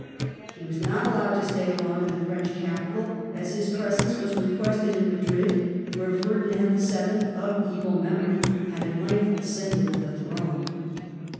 He was not allowed to stay long in the French capital, as his presence was requested in Madrid, where Ferdinand the Seventh of evil memory had at length ascended the throne.